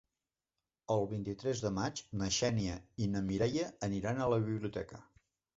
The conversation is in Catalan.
El vint-i-tres de maig na Xènia i na Mireia iran a la biblioteca.